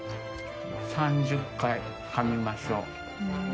３０回かみましょう。